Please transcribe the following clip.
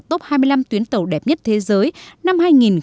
tốc hai mươi năm tuyến tàu đẹp nhất thế giới năm hai nghìn một mươi sáu